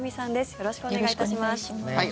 よろしくお願いします。